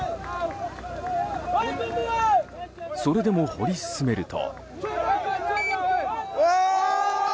それでも掘り進めると。